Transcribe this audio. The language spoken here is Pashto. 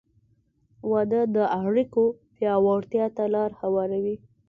• واده د اړیکو پیاوړتیا ته لار هواروي.